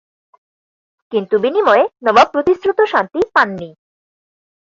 কিন্তু বিনিময়ে নবাব প্রতিশ্রুত শান্তি পান নি।